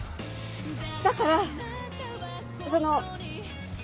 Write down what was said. だからその。